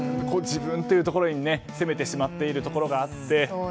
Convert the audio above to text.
自分というところに責めてしまっているところがあり。